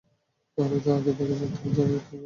আমি তো আগে থেকেই জানতাম এ তোর মেয়ে।